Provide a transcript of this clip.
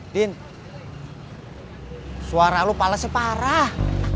din suara lu palasnya parah